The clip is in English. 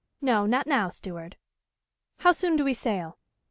"No, not now, steward? How soon do we sail?"